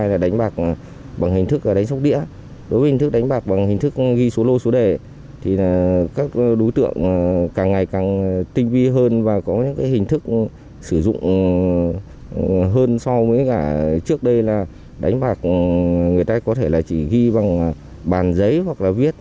để đánh bạc bằng hình thức ở đánh sóc đĩa đối với hình thức đánh bạc bằng hình thức ghi số lô số đề thì các đối tượng càng ngày càng tinh vi hơn và có những hình thức sử dụng hơn so với cả trước đây là đánh bạc người ta có thể là chỉ ghi bằng bàn giấy hoặc là viết